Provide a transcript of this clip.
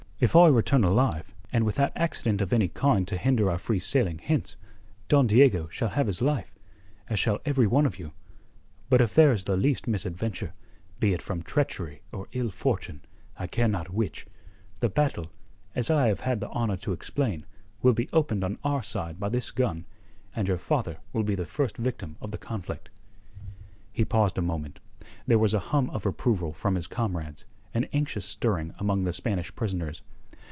If I return alive, and without accident of any kind to hinder our free sailing hence, Don Diego shall have his life, as shall every one of you. But if there is the least misadventure, be it from treachery or ill fortune I care not which the battle, as I have had the honour to explain, will be opened on our side by this gun, and your father will be the first victim of the conflict." He paused a moment. There was a hum of approval from his comrades, an anxious stirring among the Spanish prisoners.